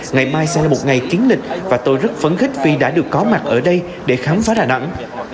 ngày mai sẽ là một ngày kiến lịch và tôi rất phấn khích vì đã được có mặt ở đây để khám phá đà nẵng